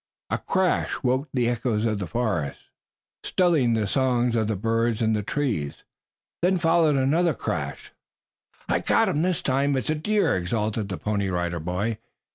A crash woke the echoes of the forest, stilling the songs of the birds in the trees. Then followed another crash. "I got him that time. It's a deer," exulted the Pony Rider Boy.